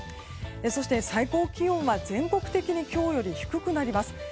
そして、最高気温は全国的に今日より低くなります。